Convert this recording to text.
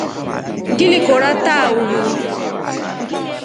Ngili kora taa uruu.